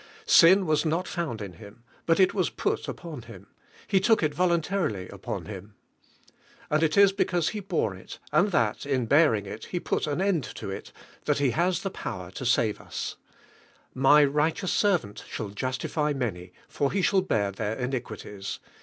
Sin was not found iu Him, but it was put upon Him, He took it voluntarily upon Him. And it is because lie bore ii, and that, in l> ' ing it, He put an end lo il. thai lie has I In power to save us, "My righteous Servant shall justify many, for lie shall bear their iniquities